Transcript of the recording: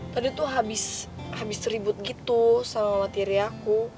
tadi tuh habis habis ribut gitu sama latirnya aku